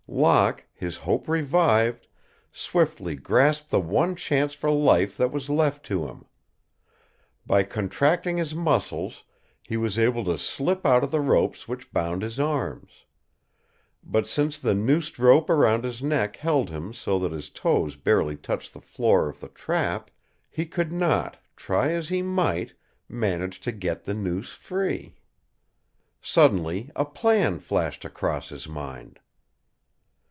Locke, his hope revived, swiftly grasped the one chance for life that was left to him. By contracting his muscles he was able to slip out of the ropes which bound his arms. But since the noosed rope around his neck held him so that his toes barely touched the floor of the trap, he could not, try as he might, manage to get the noose free. Suddenly a plan flashed across his mind.